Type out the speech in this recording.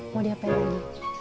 mau dihapain lagi